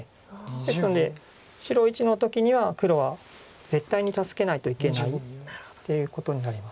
ですので白①の時には黒は絶対に助けないといけないっていうことになります。